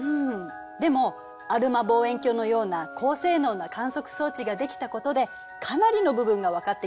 でもアルマ望遠鏡のような高性能な観測装置ができたことでかなりの部分が分かってきたのよ。